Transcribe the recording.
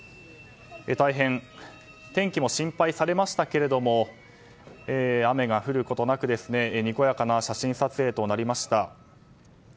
天気も心配されましたけども雨が降ることなくにこやかな写真撮影となりました。